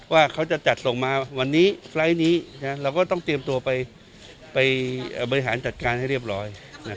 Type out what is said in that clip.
ว่าเขาจะจัดส่งมาวันนี้ไฟล์ทนี้เราก็ต้องเตรียมตัวไปบริหารจัดการให้เรียบร้อย